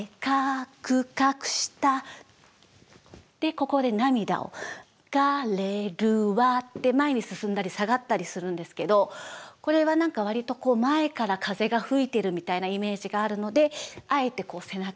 ここで涙を「流れるわ」で前に進んだり下がったりするんですけどこれは何か割と前から風が吹いてるみたいなイメージがあるのであえてこう背中が後ろになってます。